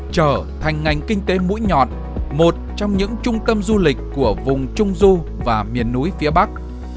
trở thành ngành kinh tế mũi nhọn một trong những trung tâm du lịch của vùng trung du và miền núi phía bắc